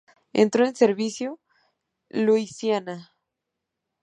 Entró en servicio: Luisiana.